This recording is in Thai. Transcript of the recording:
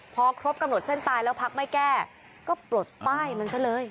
พอครบกำหนดเส้นตายแล้วพักไม่แก้ก็ปลดป้ายมันซะเลย